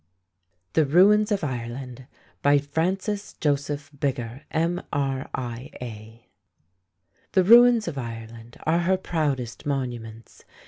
THE RUINS OF IRELAND By FRANCIS JOSEPH BIGGER, M.R.I.A. The ruins of Ireland are her proudest monuments.